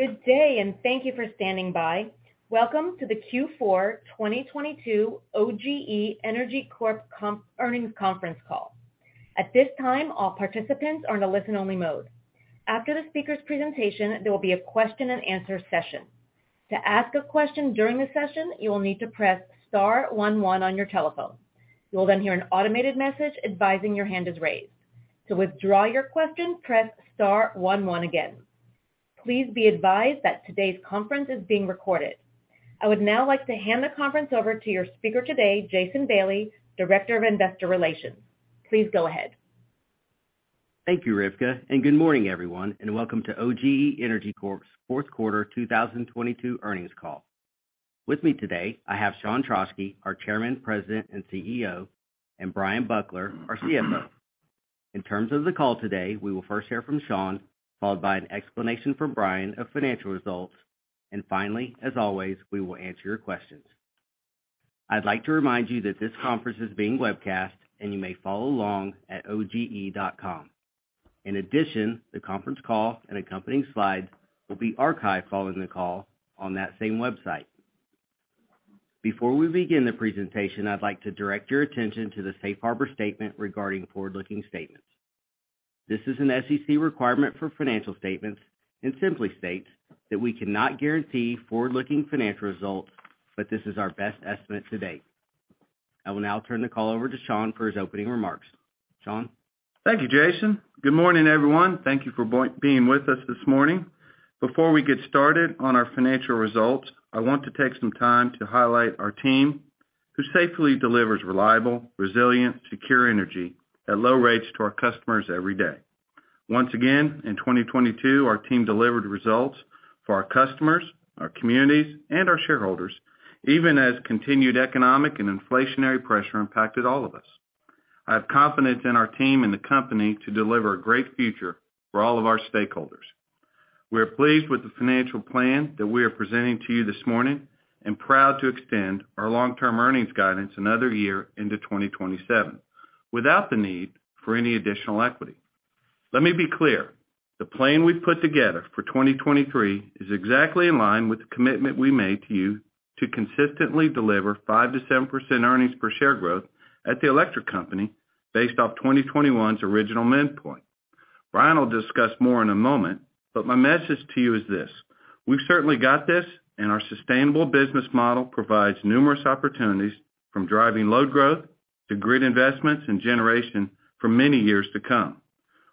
Good day. Thank you for standing by. Welcome to the Q4 2022 OGE Energy Corp earnings conference call. At this time, all participants are on a listen-only mode. After the speaker's presentation, there will be a question and answer session. To ask a question during the session, you will need to press star one one on your telephone. You will hear an automated message advising your hand is raised. To withdraw your question, press star one one again. Please be advised that today's conference is being recorded. I would now like to hand the conference over to your speaker today, Jason Bailey, Director of Investor Relations. Please go ahead. Thank you, Rivka, and good morning, everyone, and welcome to OGE Energy Corp.'s 4th quarter 2022 earnings call. With me today, I have Sean Trauschke, our Chairman, President, and CEO, and W. Bryan Buckler, our CFO. In terms of the call today, we will first hear from Sean, followed by an explanation from Bryan of financial results, and finally, as always, we will answer your questions. I'd like to remind you that this conference is being webcast, and you may follow along at OGE.com. In addition, the conference call and accompanying slides will be archived following the call on that same website. Before we begin the presentation, I'd like to direct your attention to the Safe Harbor statement regarding forward-looking statements. This is an SEC requirement for financial statements and simply states that we cannot guarantee forward-looking financial results, but this is our best estimate to date. I will now turn the call over to Sean for his opening remarks. Sean? Thank you, Jason. Good morning, everyone. Thank you for being with us this morning. Before we get started on our financial results, I want to take some time to highlight our team who safely delivers reliable, resilient, secure energy at low rates to our customers every day. Once again, in 2022, our team delivered results for our customers, our communities, and our shareholders, even as continued economic and inflationary pressure impacted all of us. I have confidence in our team and the company to deliver a great future for all of our stakeholders. We are pleased with the financial plan that we are presenting to you this morning and proud to extend our long-term earnings guidance another year into 2027 without the need for any additional equity. Let me be clear. The plan we've put together for 2023 is exactly in line with the commitment we made to you to consistently deliver 5%-7% earnings per share growth at the electric company based off 2021's original midpoint. Bryan will discuss more in a moment. My message to you is this: We've certainly got this, and our sustainable business model provides numerous opportunities from driving load growth to grid investments and generation for many years to come.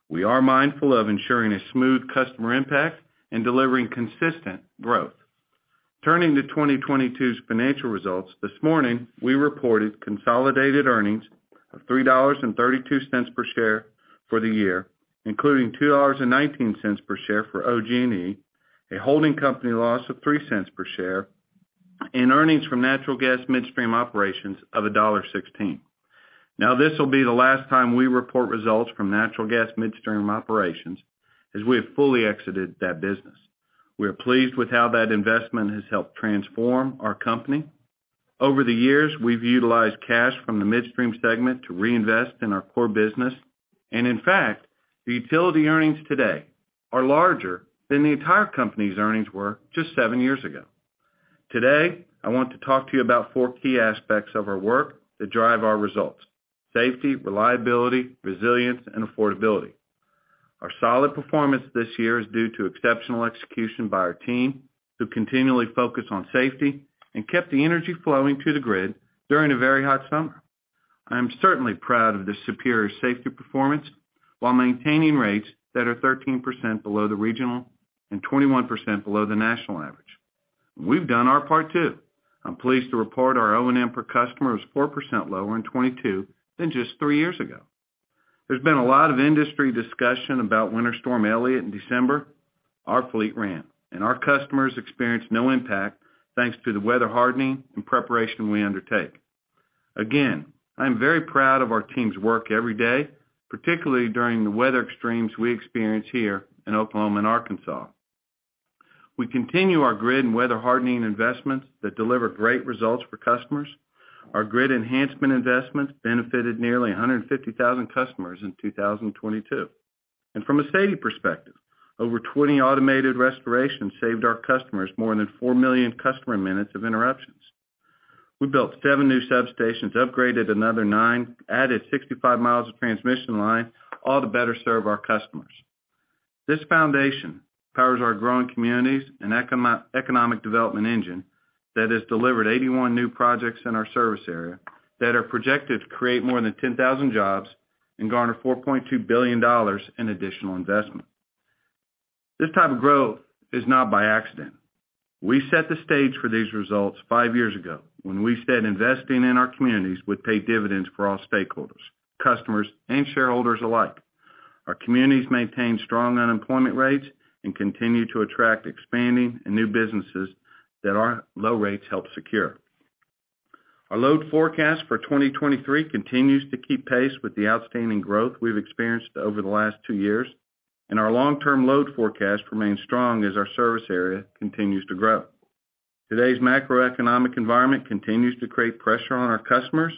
We are mindful of ensuring a smooth customer impact and delivering consistent growth. Turning to 2022's financial results, this morning we reported consolidated earnings of $3.32 per share for the year, including $2.19 per share for OG&E, a holding company loss of $0.03 per share, and earnings from natural gas midstream operations of $1.16. This will be the last time we report results from natural gas midstream operations as we have fully exited that business. We are pleased with how that investment has helped transform our company. Over the years, we've utilized cash from the midstream segment to reinvest in our core business. In fact, the utility earnings today are larger than the entire company's earnings were just seven years ago. Today, I want to talk to you about four key aspects of our work that drive our results: safety, reliability, resilience, and affordability. Our solid performance this year is due to exceptional execution by our team, who continually focus on safety and kept the energy flowing to the grid during a very hot summer. I am certainly proud of this superior safety performance while maintaining rates that are 13% below the regional and 21% below the national average. We've done our part too. I'm pleased to report our O&M per customer is 4% lower in 2022 than just 3 years ago. There's been a lot of industry discussion about Winter Storm Elliott in December. Our fleet ran, and our customers experienced no impact thanks to the weather hardening and preparation we undertake. Again, I am very proud of our team's work every day, particularly during the weather extremes we experience here in Oklahoma and Arkansas. We continue our grid and weather hardening investments that deliver great results for customers. Our grid enhancement investments benefited nearly 150,000 customers in 2022. From a safety perspective, over 20 automated restorations saved our customers more than 4 million customer minutes of interruptions. We built 7 new substations, upgraded another 9, added 65 miles of transmission line, all to better serve our customers. This foundation powers our growing communities and economic development engine that has delivered 81 new projects in our service area that are projected to create more than 10,000 jobs and garner $4.2 billion in additional investment. This type of growth is not by accident. We set the stage for these results five years ago when we said investing in our communities would pay dividends for all stakeholders, customers, and shareholders alike. Our communities maintain strong unemployment rates and continue to attract expanding and new businesses that our low rates help secure. Our load forecast for 2023 continues to keep pace with the outstanding growth we've experienced over the last two years, and our long-term load forecast remains strong as our service area continues to grow. Today's macroeconomic environment continues to create pressure on our customers,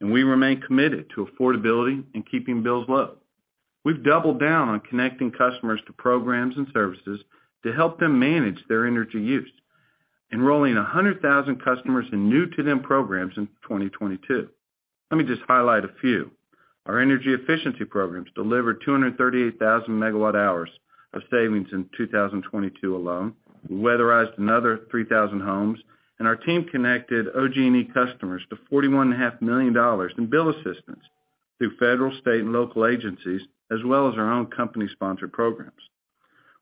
and we remain committed to affordability and keeping bills low. We've doubled down on connecting customers to programs and services to help them manage their energy use, enrolling 100,000 customers in new to them programs in 2022. Let me just highlight a few. Our energy efficiency programs delivered 238,000 megawatt-hours of savings in 2022 alone. We weatherized another 3,000 homes. Our team connected OG&E customers to 41 and a half million dollars in bill assistance through federal, state, and local agencies, as well as our own company-sponsored programs.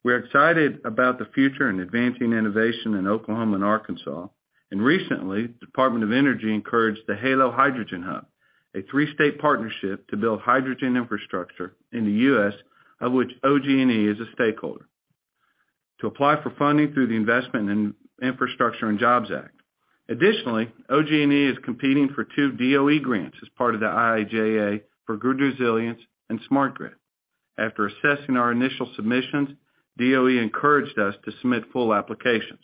We're excited about the future in advancing innovation in Oklahoma and Arkansas. Recently, Department of Energy encouraged the HALO Hydrogen Hub, a three-state partnership to build hydrogen infrastructure in the U.S., of which OG&E is a stakeholder, to apply for funding through the Investment in Infrastructure and Jobs Act. Additionally, OG&E is competing for two DOE grants as part of the IIJA for grid resilience and smart grid. After assessing our initial submissions, DOE encouraged us to submit full applications.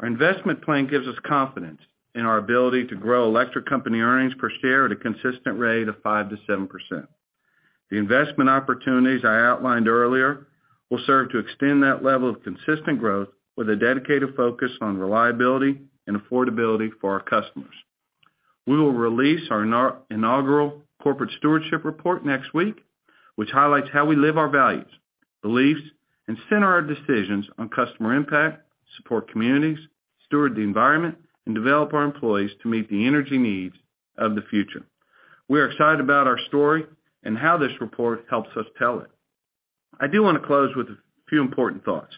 Our investment plan gives us confidence in our ability to grow electric company earnings per share at a consistent rate of 5%-7%. The investment opportunities I outlined earlier will serve to extend that level of consistent growth with a dedicated focus on reliability and affordability for our customers. We will release our inaugural corporate stewardship report next week, which highlights how we live our values, beliefs, and center our decisions on customer impact, support communities, steward the environment, and develop our employees to meet the energy needs of the future. We are excited about our story and how this report helps us tell it. I do wanna close with a few important thoughts.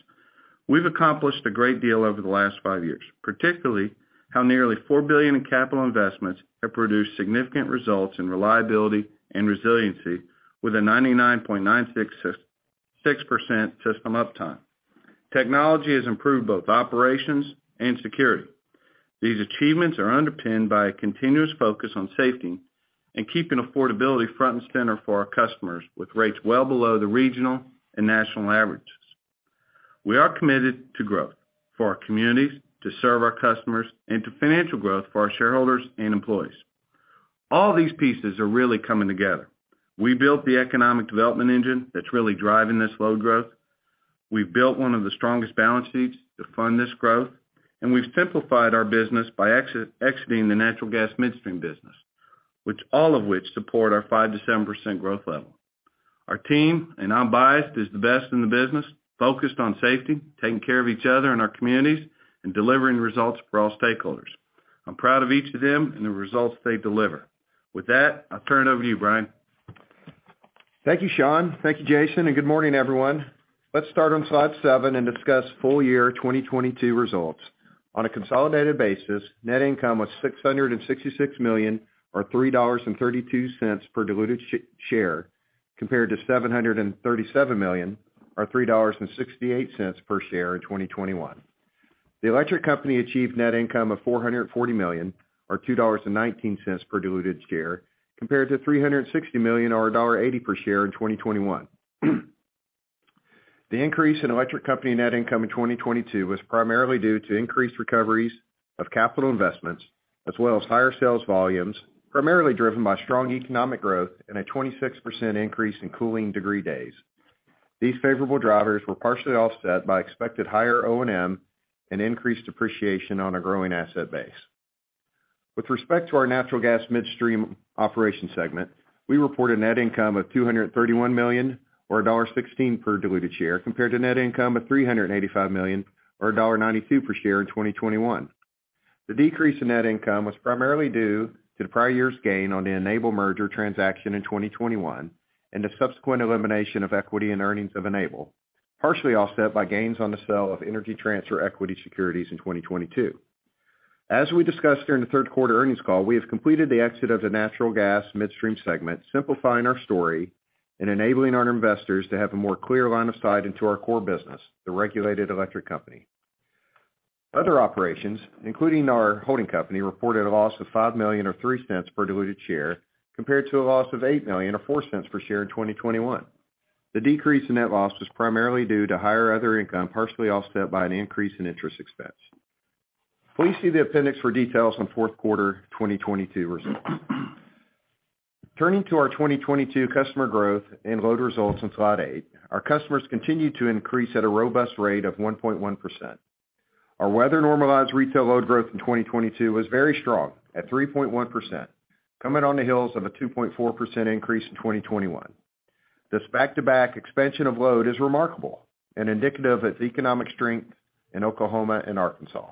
We've accomplished a great deal over the last 5 years, particularly how nearly $4 billion in capital investments have produced significant results in reliability and resiliency with a 99.9666% system uptime. Technology has improved both operations and security. These achievements are underpinned by a continuous focus on safety and keeping affordability front and center for our customers with rates well below the regional and national averages. We are committed to growth for our communities, to serve our customers, and to financial growth for our shareholders and employees. All these pieces are really coming together. We built the economic development engine that's really driving this load growth, we've built one of the strongest balance sheets to fund this growth, and we've simplified our business by exiting the natural gas midstream business, which all of which support our 5%-7% growth level. Our team, and unbiased, is the best in the business, focused on safety, taking care of each other and our communities, and delivering results for all stakeholders. I'm proud of each of them and the results they deliver. With that, I'll turn it over to you, Bryan. Thank you, Sean. Thank you, Jason. Good morning, everyone. Let's start on slide 7 and discuss full year 2022 results. On a consolidated basis, net income was $666 million or $3.32 per diluted share, compared to $737 million or $3.68 per share in 2021. The electric company achieved net income of $440 million or $2.19 per diluted share, compared to $360 million or $1.80 per share in 2021. The increase in electric company net income in 2022 was primarily due to increased recoveries of capital investments as well as higher sales volumes, primarily driven by strong economic growth and a 26% increase in cooling degree days. These favorable drivers were partially offset by expected higher O&M and increased depreciation on a growing asset base. With respect to our natural gas midstream operations segment, we report a net income of $231 million or $1.16 per diluted share compared to net income of $385 million or $1.92 per share in 2021. The decrease in net income was primarily due to the prior year's gain on the Enable merger transaction in 2021 and the subsequent elimination of equity and earnings of Enable, partially offset by gains on the sale of Energy Transfer equity securities in 2022. As we discussed during the third quarter earnings call, we have completed the exit of the natural gas midstream segment, simplifying our story and enabling our investors to have a more clear line of sight into our core business, the regulated electric company. Other operations, including our holding company, reported a loss of $5 million or $0.03 per diluted share compared to a loss of $8 million or $0.04 per share in 2021. The decrease in net loss was primarily due to higher other income, partially offset by an increase in interest expense. Please see the appendix for details on fourth quarter 2022 results. Turning to our 2022 customer growth and load results on slide 8. Our customers continued to increase at a robust rate of 1.1%. Our weather-normalized retail load growth in 2022 was very strong at 3.1%, coming on the heels of a 2.4% increase in 2021. This back-to-back expansion of load is remarkable and indicative of the economic strength in Oklahoma and Arkansas.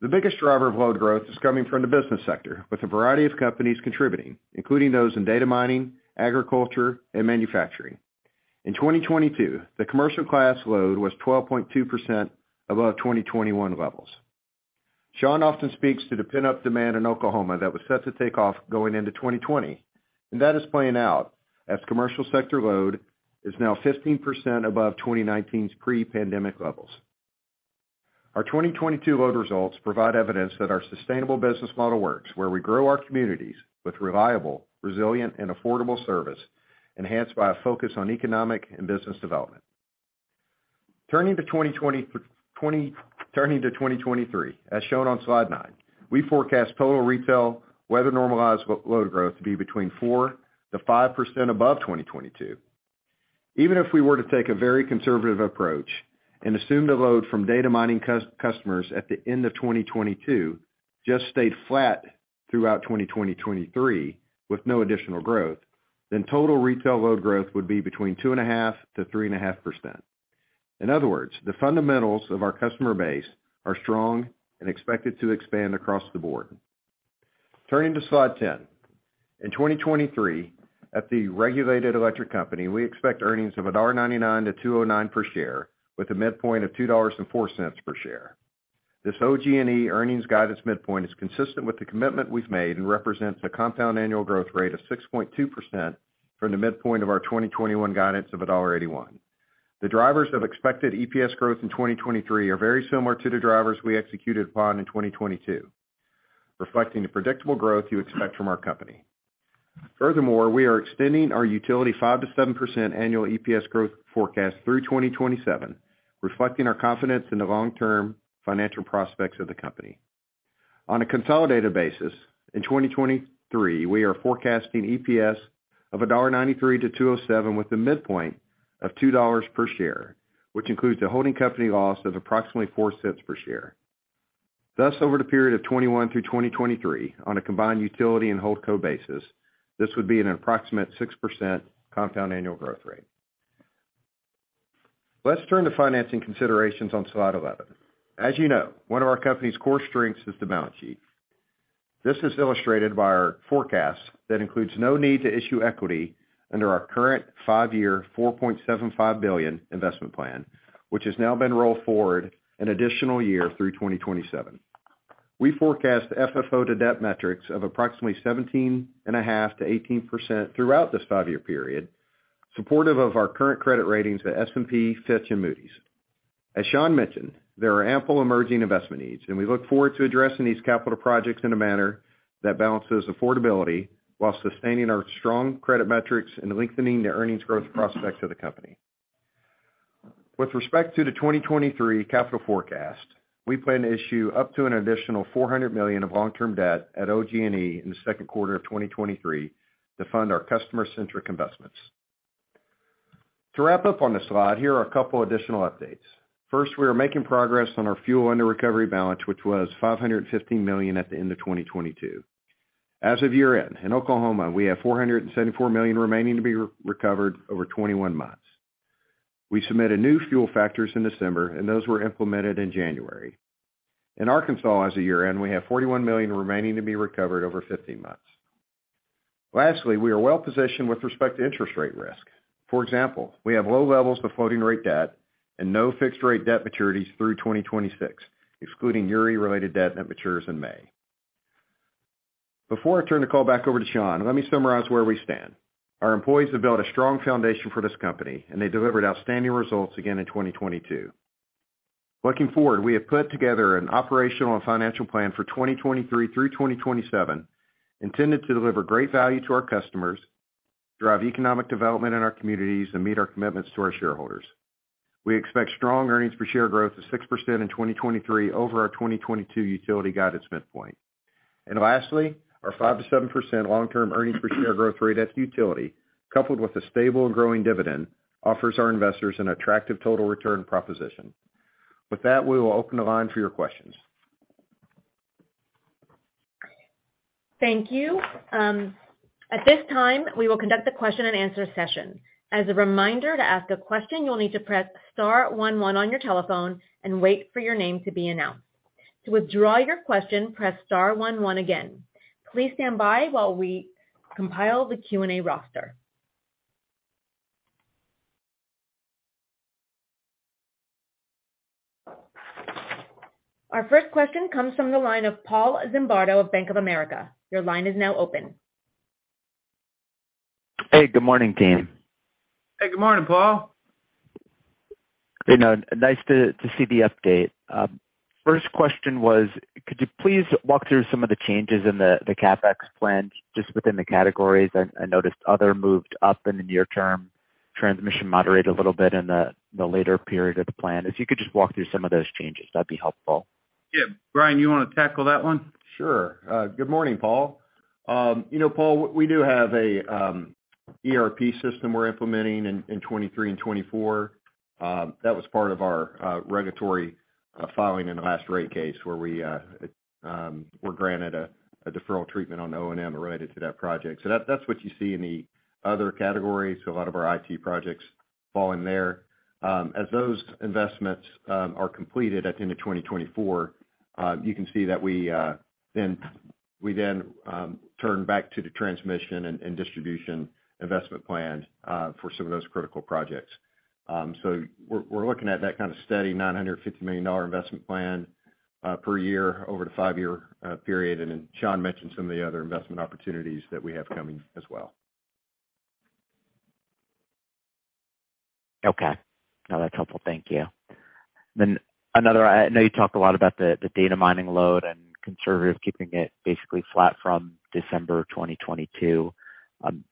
The biggest driver of load growth is coming from the business sector, with a variety of companies contributing, including those in data mining, agriculture, and manufacturing. In 2022, the commercial class load was 12.2% above 2021 levels. Sean often speaks to the pent-up demand in Oklahoma that was set to take off going into 2020, and that is playing out as commercial sector load is now 15% above 2019's pre-pandemic levels. Our 2022 load results provide evidence that our sustainable business model works, where we grow our communities with reliable, resilient, and affordable service, enhanced by a focus on economic and business development. Turning to 2023, as shown on slide 9, we forecast total retail weather normalized load growth to be between 4%-5% above 2022. Even if we were to take a very conservative approach and assume the load from data mining customers at the end of 2022 just stayed flat throughout 2023 with no additional growth, then total retail load growth would be between 2.5% to 3.5%. In other words, the fundamentals of our customer base are strong and expected to expand across the board. Turning to slide 10. In 2023, at the regulated electric company, we expect earnings of $1.99 to $2.09 per share with a midpoint of $2.04 per share. This OG&E earnings guidance midpoint is consistent with the commitment we've made and represents a compound annual growth rate of 6.2% from the midpoint of our 2021 guidance of $1.81. The drivers of expected EPS growth in 2023 are very similar to the drivers we executed upon in 2022, reflecting the predictable growth you expect from our company. We are extending our utility 5%-7% annual EPS growth forecast through 2027, reflecting our confidence in the long-term financial prospects of the company. On a consolidated basis, in 2023, we are forecasting EPS of $1.93 to $2.07 with a midpoint of $2 per share, which includes a holding company loss of approximately $0.04 per share. Over the period of 2021 through 2023 on a combined utility and holdco basis, this would be an approximate 6% compound annual growth rate. Let's turn to financing considerations on slide 11. As you know, one of our company's core strengths is the balance sheet. This is illustrated by our forecast that includes no need to issue equity under our current five-year $4.75 billion investment plan, which has now been rolled forward an additional year through 2027. We forecast FFO to debt metrics of approximately 17.5%-18% throughout this 5-year period, supportive of our current credit ratings by S&P, Fitch, and Moody's. We look forward to addressing these capital projects in a manner that balances affordability while sustaining our strong credit metrics and lengthening the earnings growth prospects of the company. With respect to the 2023 capital forecast, we plan to issue up to an additional $400 million of long-term debt at OG&E in the second quarter of 2023 to fund our customer-centric investments. To wrap up on the slide, here are a couple additional updates. First, we are making progress on our fuel under recovery balance, which was $515 million at the end of 2022. As of year-end, in Oklahoma, we have $474 million remaining to be re-recovered over 21 months. We submitted new fuel factors in December, and those were implemented in January. In Arkansas, as of year-end, we have $41 million remaining to be recovered over 15 months. Lastly, we are well positioned with respect to interest rate risk. For example, we have low levels of floating rate debt and no fixed rate debt maturities through 2026, excluding Uri-related debt that matures in May. Before I turn the call back over to Sean, let me summarize where we stand. Our employees have built a strong foundation for this company, and they delivered outstanding results again in 2022. Looking forward, we have put together an operational and financial plan for 2023 through 2027 intended to deliver great value to our customers, drive economic development in our communities, and meet our commitments to our shareholders. We expect strong EPS growth of 6% in 2023 over our 2022 utility guidance midpoint. Lastly, our 5%-7% long-term EPS growth rate at utility, coupled with a stable and growing dividend, offers our investors an attractive total return proposition. With that, we will open the line for your questions. Thank you. At this time, we will conduct the question-and-answer session. As a reminder, to ask a question, you'll need to press star one one on your telephone and wait for your name to be announced. To withdraw your question, press star one one again. Please stand by while we compile the Q&A roster. Our first question comes from the line of Paul Zimbardo of Bank of America. Your line is now open. Hey, good morning, team. Hey, good morning, Paul. You know, nice to see the update. First question was, could you please walk through some of the changes in the CapEx plan just within the categories? I noticed other moved up in the near term, transmission moderate a little bit in the later period of the plan. If you could just walk through some of those changes, that'd be helpful. Yeah. Bryan, you wanna tackle that one? Sure. Good morning, Paul. You know, Paul, we do have a ERP system we're implementing in 2023 and 2024. That was part of our regulatory filing in the last rate case where we were granted a deferral treatment on O&M related to that project. That's what you see in the other categories. A lot of our IT projects fall in there. As those investments are completed at the end of 2024, you can see that we then turn back to the transmission and distribution investment plan for some of those critical projects. We're looking at that kind of steady $950 million investment plan per year over the 5-year period. Sean mentioned some of the other investment opportunities that we have coming as well. No, that's helpful. Thank you. I know you talked a lot about the data mining load and conservative keeping it basically flat from December 2022.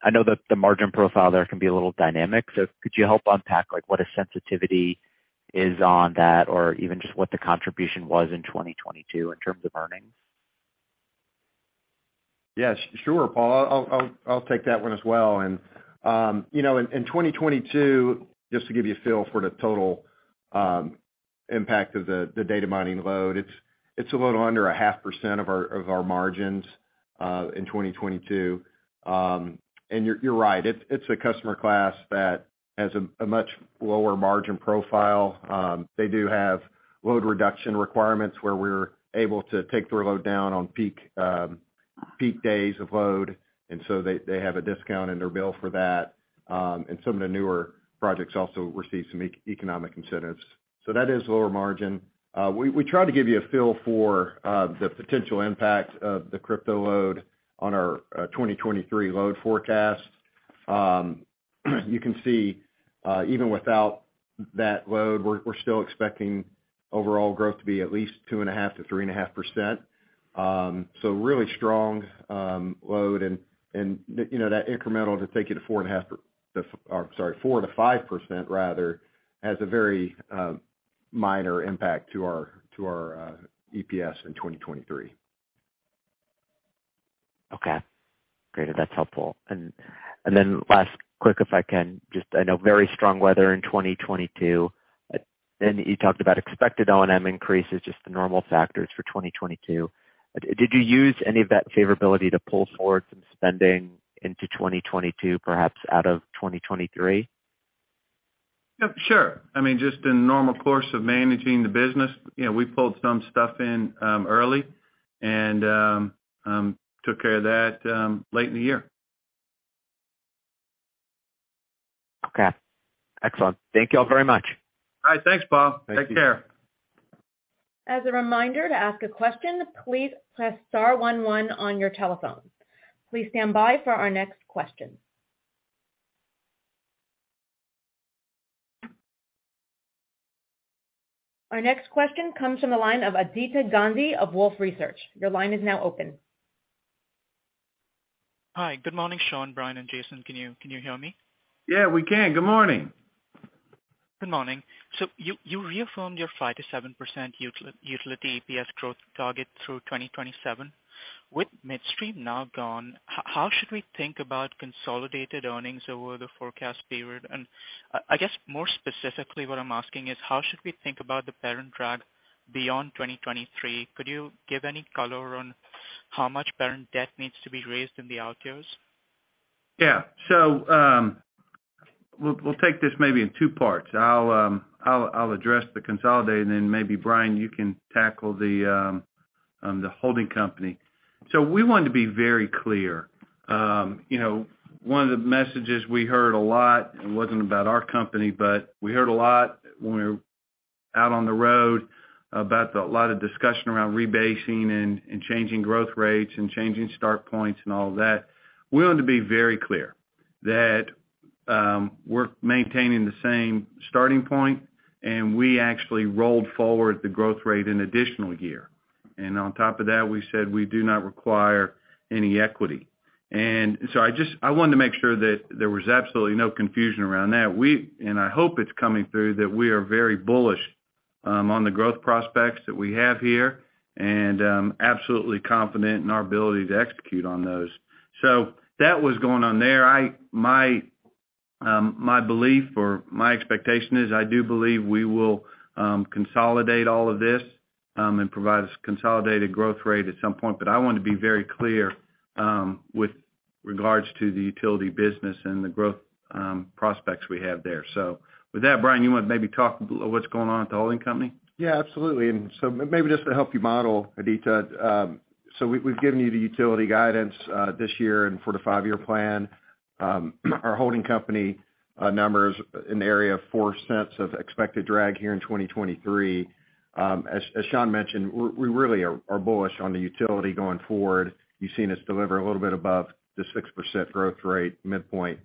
I know that the margin profile there can be a little dynamic. Could you help unpack like what a sensitivity is on that or even just what the contribution was in 2022 in terms of earnings? Yes, sure, Paul. I'll take that one as well. You know, in 2022, just to give you a feel for the total impact of the data mining load, it's a little under 0.5% of our margins in 2022. You're right. It's a customer class that has a much lower margin profile. They do have load reduction requirements where we're able to take their load down on peak days of load, so they have a discount in their bill for that. Some of the newer projects also receive some economic incentives. That is lower margin. We try to give you a feel for the potential impact of the crypto load on our 2023 load forecast. You can see, even without that load, we're still expecting overall growth to be at least 2.5%-3.5%. Really strong, load and, you know, that incremental to take you to 4%-5% rather, has a very minor impact to our EPS in 2023. Okay, great. That's helpful. Then last quick, if I can just I know very strong weather in 2022. You talked about expected O&M increases just the normal factors for 2022. Did you use any of that favorability to pull forward some spending into 2022 perhaps out of 2023? Yeah, sure. I mean, just in the normal course of managing the business, you know, we pulled some stuff in, early and, took care of that, late in the year. Okay. Excellent. Thank you all very much. All right. Thanks, Paul. Take care. As a reminder to ask a question, please press star one one on your telephone. Please stand by for our next question. Our next question comes from the line of Aditya Gandhi of Wolfe Research. Your line is now open. Hi. Good morning, Sean, Brian and Jason. Can you hear me? Yeah, we can. Good morning. Good morning. you reaffirmed your 5%-7% utility EPS growth target through 2027. With Midstream now gone, how should we think about consolidated earnings over the forecast period? I guess more specifically what I'm asking is how should we think about the parent drag beyond 2023? Could you give any color on how much parent debt needs to be raised in the out years? We'll take this maybe in two parts. I'll address the consolidated and then maybe Bryan, you can tackle the holding company. We want to be very clear. You know, one of the messages we heard a lot, it wasn't about our company, but we heard a lot when we were out on the road about the lot of discussion around rebasing and changing growth rates and changing start points and all that. We want to be very clear that we're maintaining the same starting point, and we actually rolled forward the growth rate an additional year. On top of that, we said we do not require any equity. I wanted to make sure that there was absolutely no confusion around that. I hope it's coming through that we are very bullish on the growth prospects that we have here and absolutely confident in our ability to execute on those. That was going on there. My belief or my expectation is I do believe we will consolidate all of this and provide us consolidated growth rate at some point. I want to be very clear with regards to the utility business and the growth prospects we have there. With that, Brian, you want to maybe talk what's going on with the holding company? Yeah, absolutely. Maybe just to help you model, Aditi. So we've given you the utility guidance this year and for the 5-year plan. Our holding company numbers in the area of $0.04 of expected drag here in 2023. As Sean mentioned, we really are bullish on the utility going forward. You've seen us deliver a little bit above the 6% growth rate midpoint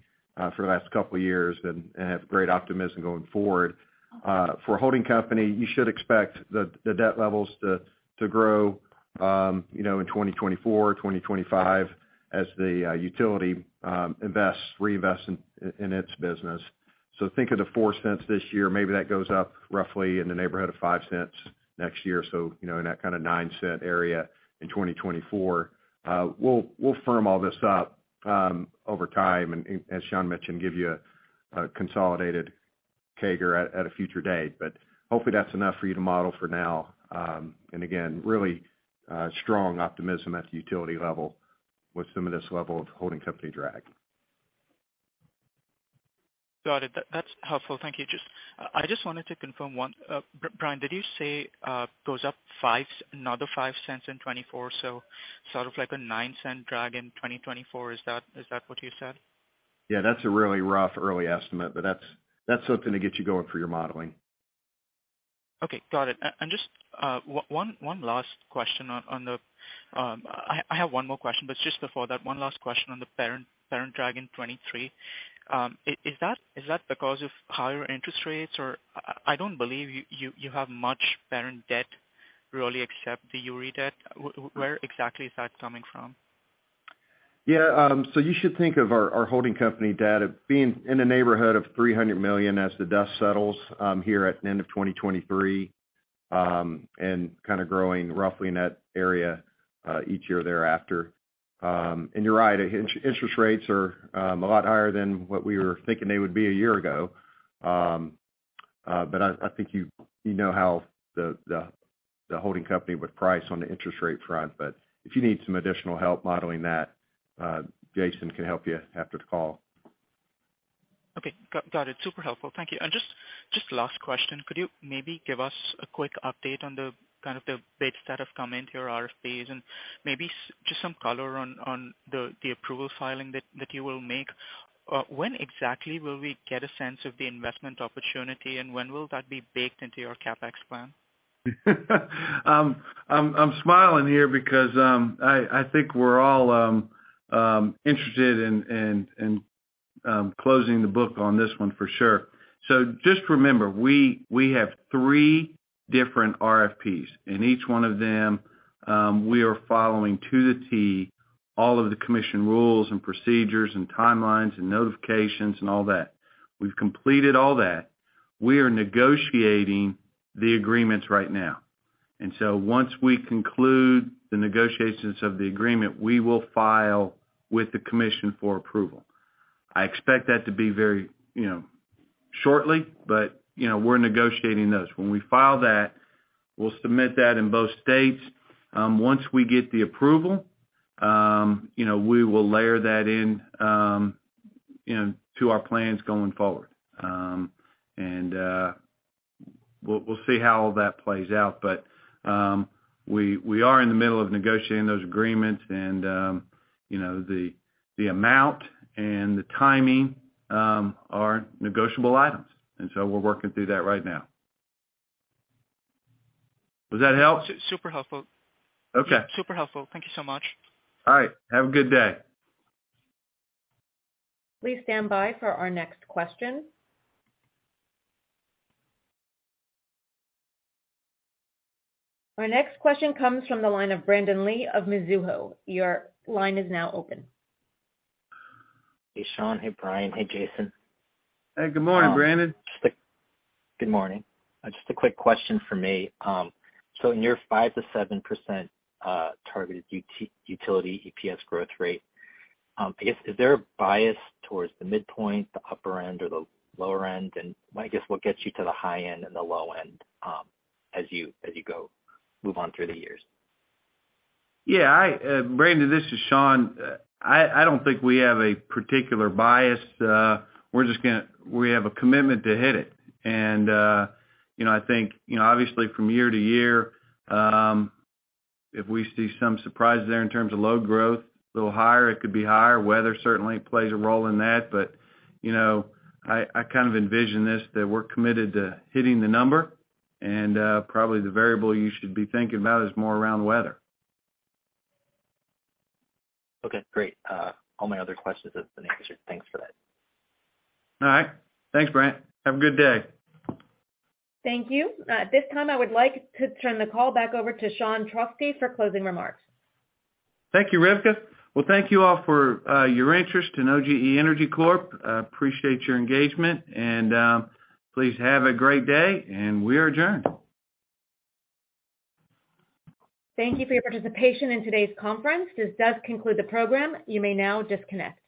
for the last couple of years and have great optimism going forward. For holding company, you should expect the debt levels to grow, you know, in 2024, 2025 as the utility reinvests in its business. Think of the $0.04 this year, maybe that goes up roughly in the neighborhood of $0.05 next year. You know, in that kind of $0.09 area in 2024. We'll firm all this up over time as Sean mentioned, give you a consolidated CAGR at a future date. Hopefully, that's enough for you to model for now. Again, really strong optimism at the utility level with some of this level of holding company drag. Got it. That's helpful. Thank you. I just wanted to confirm one. Bryan, did you say, goes up another $0.05 in 2024? Sort of like a $0.09 drag in 2024. Is that what you said? That's a really rough early estimate, but that's something to get you going for your modeling. Okay, got it. Just one last question on the. I have one more question, but just before that, one last question on the parent drag in 2023. Is that because of higher interest rates? I don't believe you have much parent debt really except the Uri debt. Where exactly is that coming from? Yeah. You should think of our holding company data being in the neighborhood of $300 million as the dust settles here at the end of 2023. Kind of growing roughly in that area each year thereafter. You're right, interest rates are a lot higher than what we were thinking they would be a year ago. I think you know how the holding company would price on the interest rate front. If you need some additional help modeling that, Jason can help you after the call. Okay. Got it. Super helpful. Thank you. Just last question. Could you maybe give us a quick update on the kind of the bids that have come into your RFPs and maybe just some color on the approval filing that you will make? When exactly will we get a sense of the investment opportunity, and when will that be baked into your CapEx plan? I'm smiling here because I think we're all interested in closing the book on this one for sure. Just remember, we have three different RFPs. In each one of them, we are following to the T all of the commission rules and procedures and timelines and notifications and all that. We've completed all that. We are negotiating the agreements right now. Once we conclude the negotiations of the agreement, we will file with the commission for approval. I expect that to be very, you know, shortly. You know, we're negotiating those. When we file that, we'll submit that in both states. Once we get the approval, you know, we will layer that in to our plans going forward. We'll see how all that plays out. We are in the middle of negotiating those agreements and, you know, the amount and the timing, are negotiable items. We're working through that right now. Does that help? Super helpful. Okay. Super helpful. Thank you so much. All right. Have a good day. Please stand by for our next question. Our next question comes from the line of Brandon Lee of Mizuho. Your line is now open. Hey, Sean. Hey, Brian. Hey, Jason. Hey, good morning, Brandon. Good morning. Just a quick question from me. So in your 5%-7% targeted utility EPS growth rate, I guess, is there a bias towards the midpoint, the upper end, or the lower end? I guess what gets you to the high end and the low end, as you move on through the years? Brandon, this is Sean. I don't think we have a particular bias. We're just gonna we have a commitment to hit it. You know, I think, you know, obviously from year to year, if we see some surprises there in terms of load growth, a little higher, it could be higher. Weather certainly plays a role in that. You know, I kind of envision this, that we're committed to hitting the number and probably the variable you should be thinking about is more around weather. Okay, great. All my other questions have been answered. Thanks for that. All right. Thanks, Bran. Have a good day. Thank you. At this time, I would like to turn the call back over to Sean Trauschke for closing remarks. Thank you, Rivka. Well, thank you all for your interest in OGE Energy Corp. I appreciate your engagement, and, please have a great day, and we are adjourned. Thank you for your participation in today's conference. This does conclude the program. You may now disconnect.